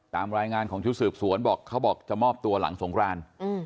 ตามรายงานของชุดสืบสวนบอกเขาบอกจะมอบตัวหลังสงคราน